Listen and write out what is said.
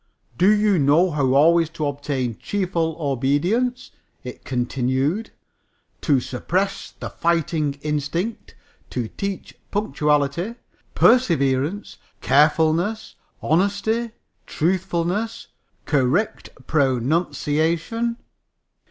"Do you know how always to obtain cheerful obedience?" it continued. "To suppress the fighting instinct? To teach punctuality? Perseverance? Carefulness? Honesty? Truthfulness? Correct pronunciation?"